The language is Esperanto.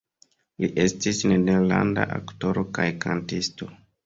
Li estis nederlanda aktoro kaj kantisto.